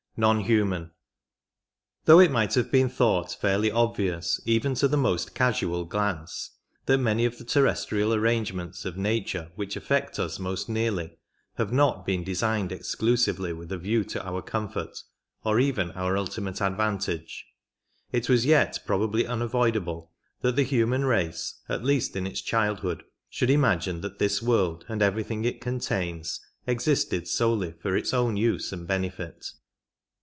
NON HUMAN. Though it might have been thought fairly obvious even to the most casual glance that many of the terrestrial arrange ments of nature which affect us most nearly have not been designed exclusively with a view to our comfort or even our ultimate advantage, it was yet probably unavoidable that the human race, at least in its childhood, should imagine that this world and everything it contains existed solely for its own use and benefit.